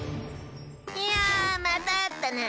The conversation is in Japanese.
いやまたあったな！